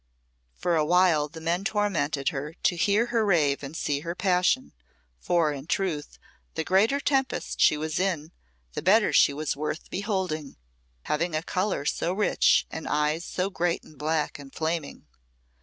For a while the men tormented her, to hear her rave and see her passion, for, in truth, the greater tempest she was in, the better she was worth beholding, having a colour so rich, and eyes so great and black and flaming.